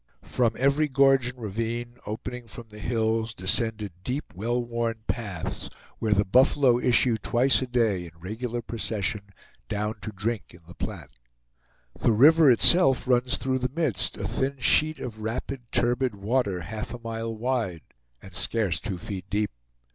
From every gorge and ravine, opening from the hills, descended deep, well worn paths, where the buffalo issue twice a day in regular procession down to drink in the Platte. The river itself runs through the midst, a thin sheet of rapid, turbid water, half a mile wide, and scarce two feet deep.